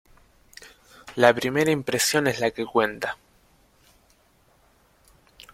La primera impresión es la que cuenta.